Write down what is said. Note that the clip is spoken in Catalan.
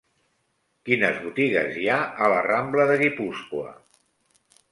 Quines botigues hi ha a la rambla de Guipúscoa?